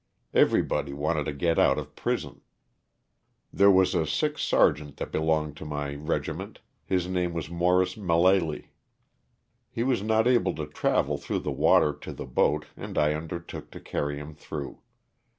Everybody wanted to get out of prison. There was a sick sergeant that belonged to my regiment, his name was Morris Malaley. He was not able to travel through the water to the boat audi undertook to carry him through.